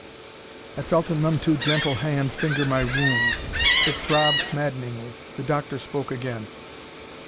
I felt a none too gentle hand finger my wound. It throbbed maddeningly. The doctor spoke again.